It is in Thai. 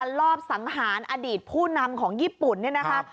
รอบสังหารอดีตผู้นำของญี่ปุ่นเนี่ยนะคะ